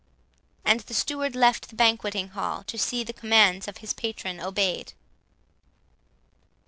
And the steward left the banqueting hall to see the commands of his patron obeyed.